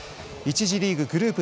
１次リーグ、グループＢ